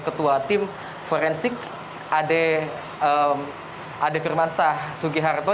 ketua tim forensik ade firmansah sugiharto